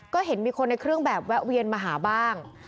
ก็เห็นมีคนในเครื่องแบบแวะเวียนมาหาบ้าง